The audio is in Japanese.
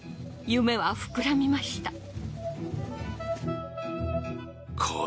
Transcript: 夢は膨らみました。